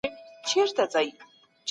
د خلکو چلند د پخوا په نسبت ډېر بدل سوی دی.